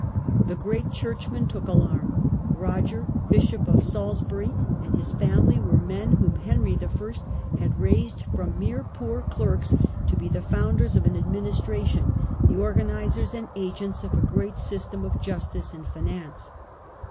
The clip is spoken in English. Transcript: The great churchmen took alarm. Roger, Bishop of Salisbury, and his family were men whom Henry I. had raised from mere poor clerks to be the founders of an administration, the organizers and agents of a great system of justice and finance.